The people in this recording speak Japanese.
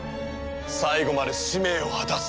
最後まで使命を果たす！